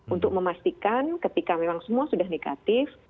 untuk memastikan ketika memang semua sudah negatif